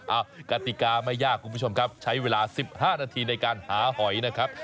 เอากติกาไม่ยากคุณผู้ชมครับใช้เวลา๑๕นาทีในการหาหอยนะครับ